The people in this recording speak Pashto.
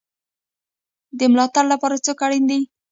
د ملاتړ لپاره څوک اړین دی؟